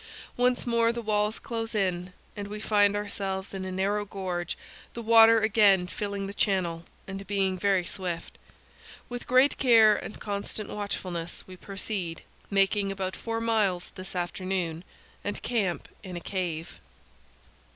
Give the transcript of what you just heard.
Once more the walls close in, and we find ourselves in a narrow gorge, the water again filling the channel and being very swift. With great care and constant watchfulness we proceed, making about four miles this afternoon, and camp in a cave.